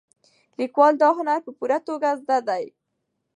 لیکوال دا هنر په پوره توګه زده دی.